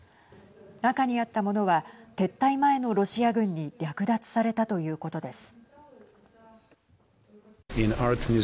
中にあったものは撤退前のロシア軍に略奪されたということです。